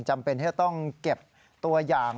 จำเป็นที่จะต้องเก็บตัวอย่าง